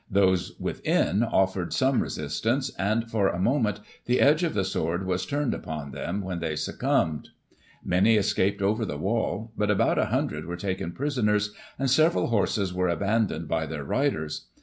Those within offered some resistance ; and, for a moment, the edge of the sword was turned upon them, when they succumbed. Many escaped over the wall ; but about 100 were taken prisoners, and several horses were abandoned by their riders.